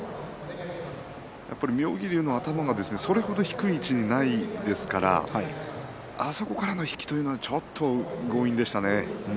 やっぱり妙義龍の頭がそれほど低い位置にないですからあそこからの引きというのはちょっと強引でしたね。